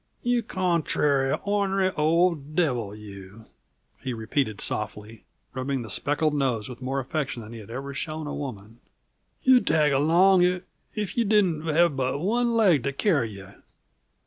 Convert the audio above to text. "You contrary, ornery, old devil, you!" he repeated softly, rubbing the speckled nose with more affection than he had ever shown a woman. "You'd tag along, if if you didn't have but one leg to carry you!